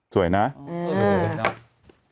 สวยนะอืม